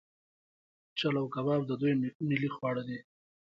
چلو کباب د دوی ملي خواړه دي.